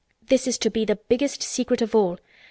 This is to be the biggest secret of all.